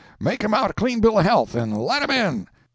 —make him out a clean bill of health, and let him in."